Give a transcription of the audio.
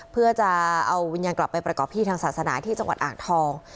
เพื่อจะเอาวิญญาณกลับไปประกอบพิธีทางศาสนาที่จังหวัดอ่างทอง